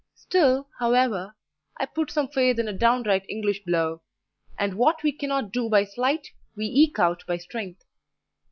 Still, however, I put some faith in a downright English blow, and what we cannot do by sleight we eke out by strength.